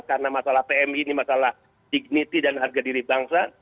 karena masalah pmi ini masalah dignity dan harga diri bangsa